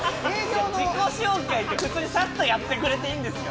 自己紹介って普通にサッとやってくれていいんですよ